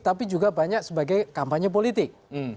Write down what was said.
tapi juga banyak sebagai kampanye politik